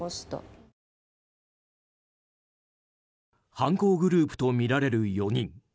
犯行グループとみられる４人。